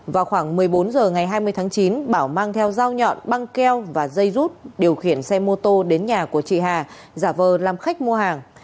vào khoảng một mươi bốn h ngày hai mươi tháng chín bảo mang theo dao nhọn băng keo và dây rút điều khiển xe mô tô đến nhà của chị hà giả vờ làm khách mua hàng